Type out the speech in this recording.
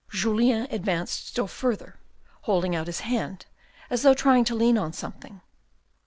Julien advanced still further, holding out his hand, as though trying to lean on something.